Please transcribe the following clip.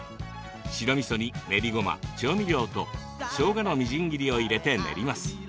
白みそに練りごま、調味料としょうがのみじん切りを入れて練ります。